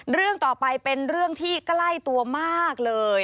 เรื่องต่อไปเป็นเรื่องที่ใกล้ตัวมากเลย